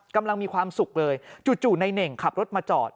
กำลังมีความสุขเลยจู่ในเน่งขับรถมาจอด